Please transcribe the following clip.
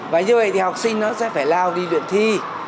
và như vậy thì học sinh nó sẽ phải lao đi luyện thi